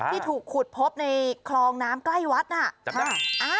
ที่ถูกขุดพบในคลองน้ำใกล้วัดน่ะ